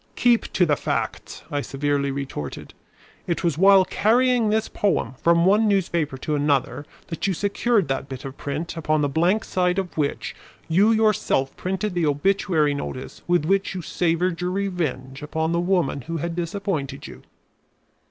"Keep to the facts!" I severely retorted. "It was while carrying this poem from one newspaper to another that you secured that bit of print upon the blank side of which you yourself printed the obituary notice with which you savored your revenge upon the woman who had disappointed you."